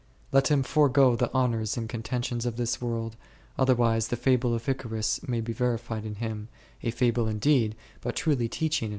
Let him forego the honours and contentions of this world, otherwise the fable of Icarus may be verified in him, a fable indeed, but truly teaching in ° Psalm ciii.